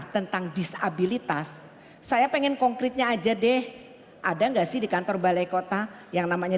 tentang disabilitas saya pengen konkretnya aja deh ada nggak sih di kantor balai kota yang namanya